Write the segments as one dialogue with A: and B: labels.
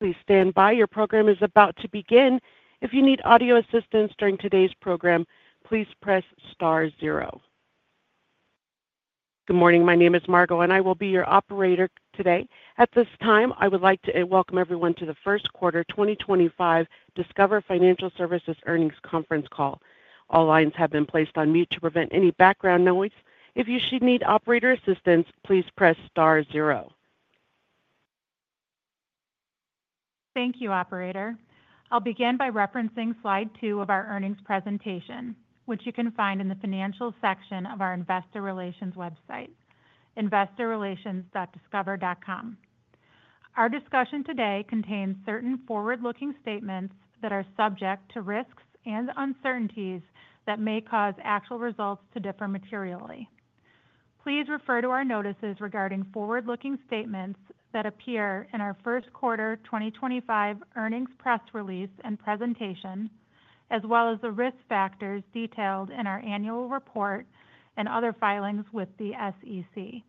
A: Please Stand by. Your program is about to begin. If you need audio assistance during today's program, please press star zero. Good morning. My name is Margo, and I will be your operator today. At this time, I would like to welcome everyone to the first quarter 2025 Discover Financial Services earnings conference call. All lines have been placed on mute to prevent any background noise. If you should need operator assistance, please press star zero.
B: Thank you, Operator. I'll begin by referencing slide two of our earnings presentation, which you can find in the financials section of our Investor Relations website, investorrelations.discover.com. Our discussion today contains certain forward-looking statements that are subject to risks and uncertainties that may cause actual results to differ materially. Please refer to our notices regarding forward-looking statements that appear in our first quarter 2025 earnings press release and presentation, as well as the risk factors detailed in our annual report and other filings with the SEC.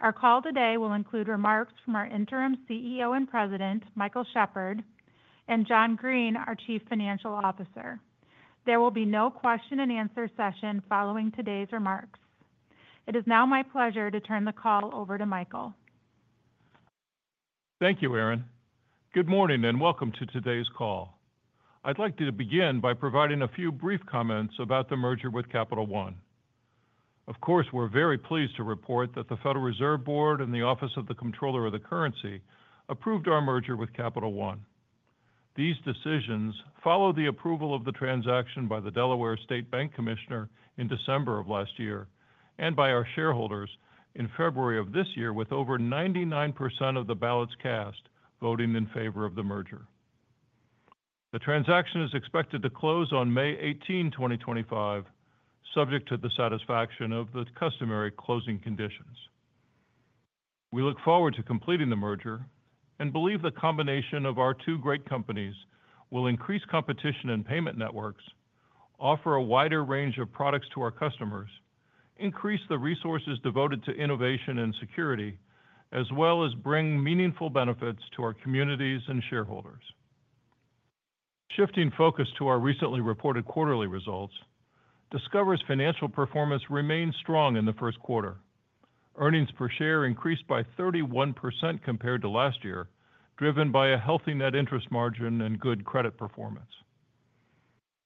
B: Our call today will include remarks from our interim CEO and President, Michael Shepherd, and John Greene, our Chief Financial Officer. There will be no question-and-answer session following today's remarks. It is now my pleasure to turn the call over to Michael.
C: Thank you, Erin. Good morning and welcome to today's call. I'd like to begin by providing a few brief comments about the merger with Capital One. Of course, we're very pleased to report that the Federal Reserve Board and the Office of the Comptroller of the Currency approved our merger with Capital One. These decisions follow the approval of the transaction by the Delaware State Bank Commissioner in December of last year and by our shareholders in February of this year, with over 99% of the ballots cast voting in favor of the merger. The transaction is expected to close on May 18, 2025, subject to the satisfaction of the customary closing conditions. We look forward to completing the merger and believe the combination of our two great companies will increase competition in payment networks, offer a wider range of products to our customers, increase the resources devoted to innovation and security, as well as bring meaningful benefits to our communities and shareholders. Shifting focus to our recently reported quarterly results, Discover's financial performance remained strong in the first quarter. Earnings per share increased by 31% compared to last year, driven by a healthy net interest margin and good credit performance.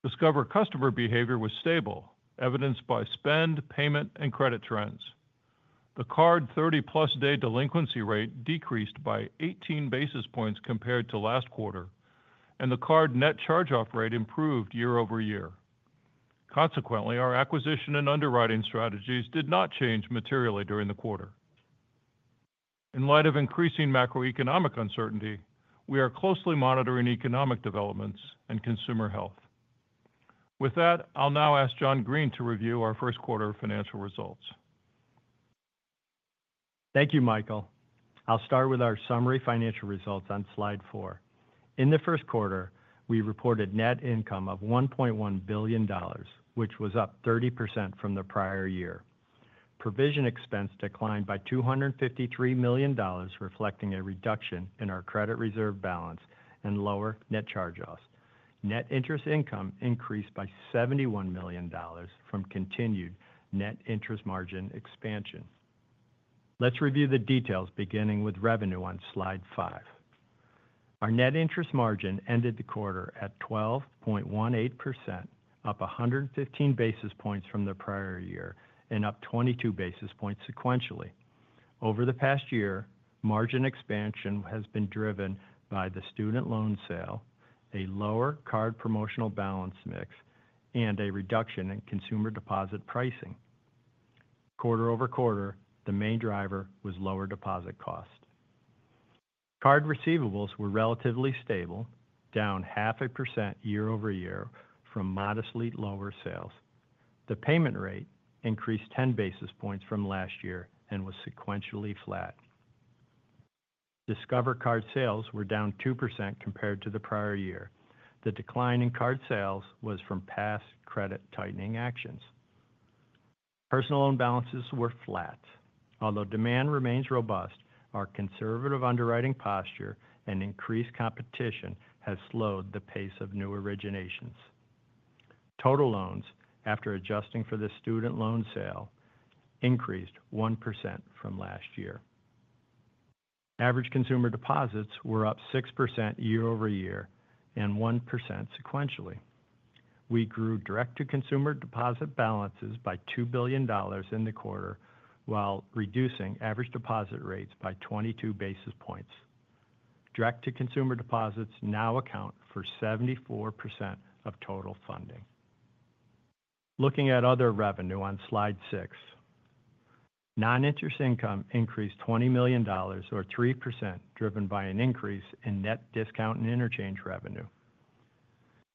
C: Discover customer behavior was stable, evidenced by spend, payment, and credit trends. The card 30-plus day delinquency rate decreased by 18 basis points compared to last quarter, and the card net charge-off rate improved year over year. Consequently, our acquisition and underwriting strategies did not change materially during the quarter. In light of increasing macroeconomic uncertainty, we are closely monitoring economic developments and consumer health. With that, I'll now ask John Greene to review our first quarter financial results.
D: Thank you, Michael. I'll start with our summary financial results on slide four. In the first quarter, we reported net income of $1.1 billion, which was up 30% from the prior year. Provision expense declined by $253 million, reflecting a reduction in our credit reserve balance and lower net charge-offs. Net interest income increased by $71 million from continued net interest margin expansion. Let's review the details, beginning with revenue on slide five. Our net interest margin ended the quarter at 12.18%, up 115 basis points from the prior year and up 22 basis points sequentially. Over the past year, margin expansion has been driven by the student loan sale, a lower card promotional balance mix, and a reduction in consumer deposit pricing. Quarter over quarter, the main driver was lower deposit cost. Card receivables were relatively stable, down half a percent year over year from modestly lower sales. The payment rate increased 10 basis points from last year and was sequentially flat. Discover card sales were down 2% compared to the prior year. The decline in card sales was from past credit tightening actions. Personal loan balances were flat. Although demand remains robust, our conservative underwriting posture and increased competition have slowed the pace of new originations. Total loans, after adjusting for the student loan sale, increased 1% from last year. Average consumer deposits were up 6% year over year and 1% sequentially. We grew direct-to-consumer deposit balances by $2 billion in the quarter, while reducing average deposit rates by 22 basis points. Direct-to-consumer deposits now account for 74% of total funding. Looking at other revenue on slide six, non-interest income increased $20 million, or 3%, driven by an increase in net discount and interchange revenue.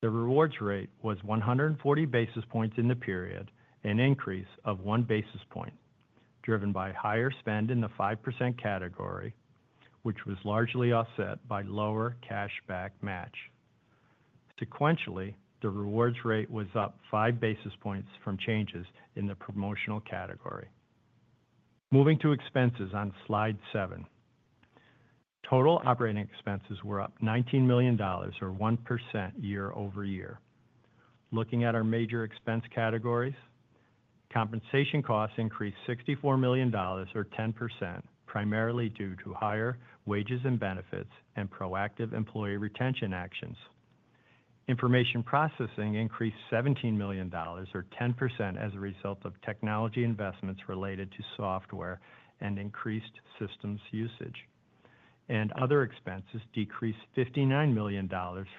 D: The rewards rate was 140 basis points in the period, an increase of one basis point, driven by higher spend in the 5% category, which was largely offset by lower cashback match. Sequentially, the rewards rate was up five basis points from changes in the promotional category. Moving to expenses on slide seven, total operating expenses were up $19 million, or 1% year over year. Looking at our major expense categories, compensation costs increased $64 million, or 10%, primarily due to higher wages and benefits and proactive employee retention actions. Information processing increased $17 million, or 10%, as a result of technology investments related to software and increased systems usage. Other expenses decreased $59 million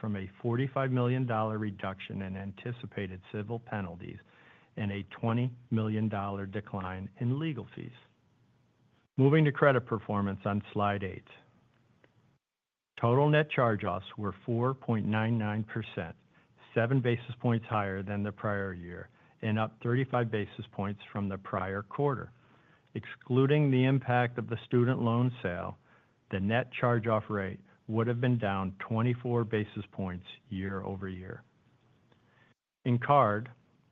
D: from a $45 million reduction in anticipated civil penalties and a $20 million decline in legal fees. Moving to credit performance on slide eight, total net charge-offs were 4.99%, seven basis points higher than the prior year and up 35 basis points from the prior quarter. Excluding the impact of the student loan sale, the net charge-off rate would have been down 24 basis points year over year. In card,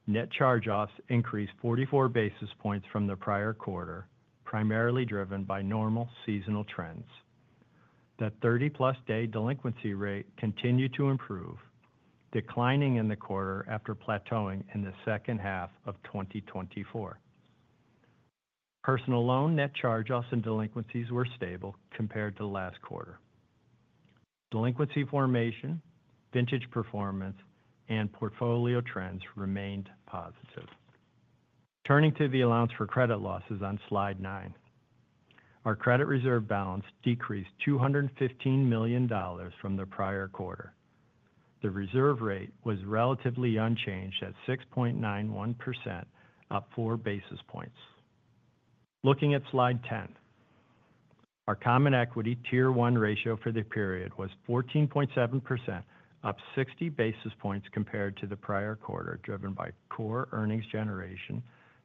D: net charge-offs increased 44 basis points from the prior quarter, primarily driven by normal seasonal trends. The 30-plus day delinquency rate continued to improve, declining in the quarter after plateauing in the second half of 2024. Personal loan net charge-offs and delinquencies were stable compared to last quarter. Delinquency formation, vintage performance, and portfolio trends remained positive. Turning to the allowance for credit losses on slide nine, our credit reserve balance decreased $215 million from the prior quarter. The reserve rate was relatively unchanged at 6.91%, up four basis points. Looking at slide ten, our common equity tier one ratio for the period was 14.7%, up 60 basis points compared to the prior quarter, driven by core earnings generation,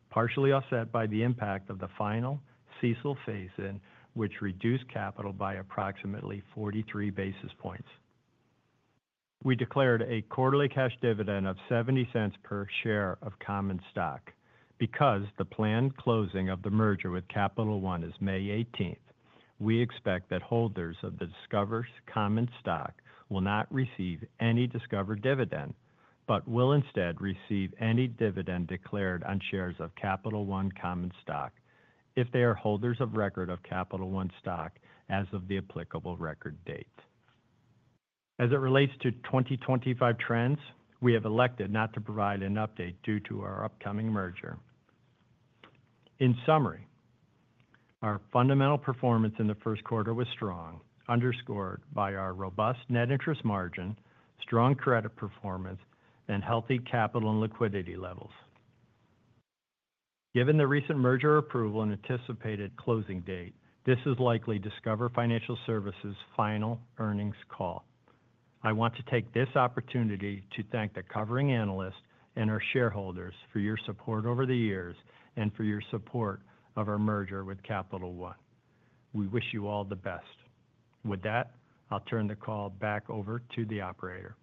D: partially offset by the impact of the final CECL phase-in, which reduced capital by approximately 43 basis points. We declared a quarterly cash dividend of $0.70 per share of common stock. Because the planned closing of the merger with Capital One is May 18th, we expect that holders of Discover's common stock will not receive any Discover dividend, but will instead receive any dividend declared on shares of Capital One common stock if they are holders of record of Capital One stock as of the applicable record date. As it relates to 2025 trends, we have elected not to provide an update due to our upcoming merger. In summary, our fundamental performance in the first quarter was strong, underscored by our robust net interest margin, strong credit performance, and healthy capital and liquidity levels. Given the recent merger approval and anticipated closing date, this is likely Discover Financial Services' final earnings call. I want to take this opportunity to thank the covering analysts and our shareholders for your support over the years and for your support of our merger with Capital One. We wish you all the best. With that, I'll turn the call back over to the Operator.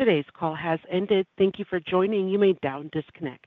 A: Today's call has ended. Thank you for joining. You may now disconnect.